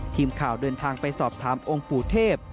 ทีมข่าวเดินทางไปสอบถามองค์ปู่เทพ